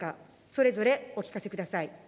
それぞれお聞かせください。